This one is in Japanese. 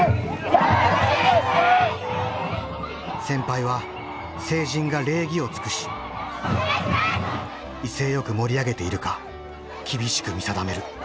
先輩は成人が礼儀を尽くし威勢よく盛り上げているか厳しく見定める。